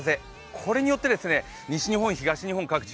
これによって西日本、東日本各地